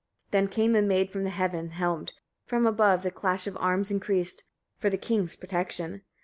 53. Then came a maid from heaven, helmed, from above the clash of arms increased for the king's protection.